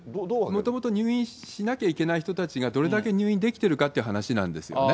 もともと入院しなきゃいけない人たちがどれだけ入院できてるかっていう話なんですよね。